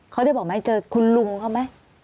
เขาได้บอกไหมเจอคุณลุงเขาไหม